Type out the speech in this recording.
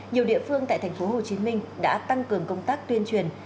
nhiều địa phương tại tp hcm đã tăng cường công tác tuyên truyền